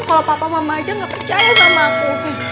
kalau papa mama aja nggak percaya sama aku